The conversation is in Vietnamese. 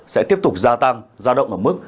sẽ tiếp tục gia tăng gia động ở mức